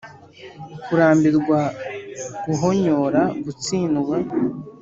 kurambirwa, guhonyora, gutsindwa